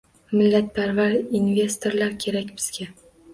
Millatparvar investorlar kerak bizga.